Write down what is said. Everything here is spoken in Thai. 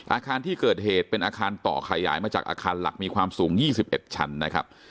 อาคารที่เกิดเหตุเป็นอาคารต่อขยายมาจากอาคารหลักมีความสูง๒๑ชั้นนะครับ